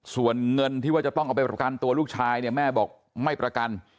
ส่วนเงินที่ว่าจะต้องเอาไปประกันตัวลูกชายเนี่ยแม่บอกไม่ประกัน